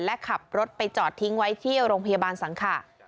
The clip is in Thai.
และขับรถไปจอดทิ้งไว้ที่โรงพยาบาลสังขะ